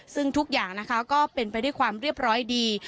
ซึ่งทุกอย่างนะคะก็เป็นไปด้วยความเรียบร้อยดี